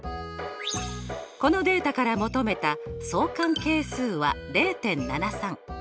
このデータから求めた相関係数は０．７３。